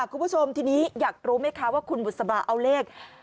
คุณผู้ชมทีนี้อยากรู้ไหมคะว่าคุณบุษบาเอาเลข